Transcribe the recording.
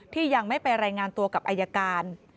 ที่ยังไม่ไปรายงานตัวกับอายการ